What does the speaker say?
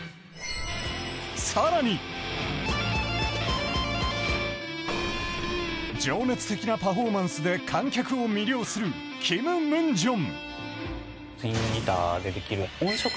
更に、情熱的なパフォーマンスで観客を魅了するキム・ムンジョン。